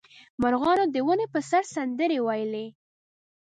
مرغانو د ونې په سر سندرې ویلې.